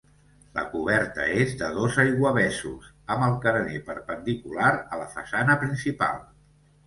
La coberta és de dos aiguavessos, amb el carener perpendicular a la façana principal.